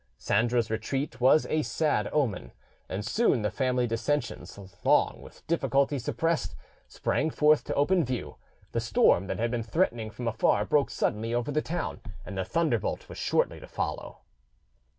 Sandra's retreat was a sad omen, and soon the family dissensions, long with difficulty suppressed, sprang forth to open view; the storm that had been threatening from afar broke suddenly over the town, and the thunderbolt was shortly to follow.